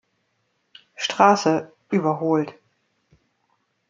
Straße" überholt.